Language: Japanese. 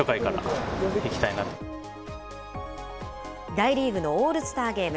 大リーグのオールスターゲーム。